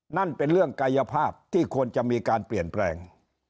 นั่นเป็นเรื่องกายภาพที่ควรจะมีการเปลี่ยนแปลง